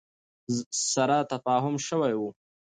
سره تفاهم شوی ؤ